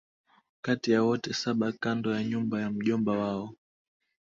Kati ya wote saba kando ya nyumba ya mjomba wao